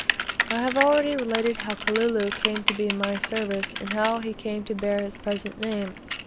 I have already related how Kalulu came to be in my service, and how he came to bear his present name.